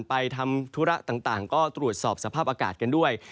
ไปทำธุระต่างก็ตรวจสอบสภาพอากาศกันด้วย